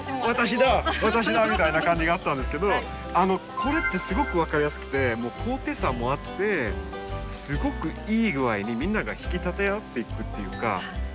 「私だ」みたいな感じがあったんですけどこれってすごく分かりやすくて高低差もあってすごくいい具合にみんなが引き立て合っていくっていうか。